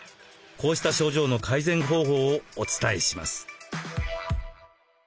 こうした症状の改善方法をお伝えします。